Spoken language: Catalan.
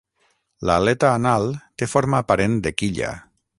L'aleta anal té forma aparent de quilla.